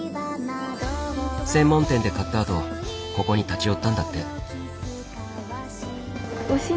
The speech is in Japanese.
専門店で買ったあとここに立ち寄ったんだって。